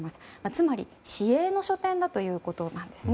つまり市営の書店だということです。